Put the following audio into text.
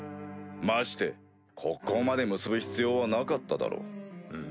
まして国交まで結ぶ必要はなかっただろう？